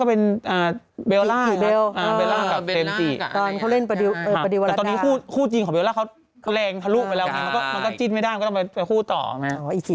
ให้พ่อถึงหรือว่านี่